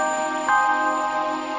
aku ke atas ya